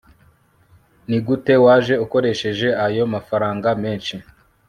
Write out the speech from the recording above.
nigute waje ukoresheje ayo mafaranga menshi